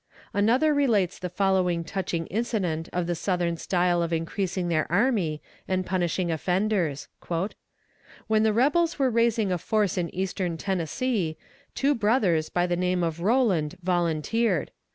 Another relates the following touching incident of the Southern style of increasing their army, and punishing offenders: "When the rebels were raising a force in Eastern Tennessee, two brothers by the name of Rowland volunteered.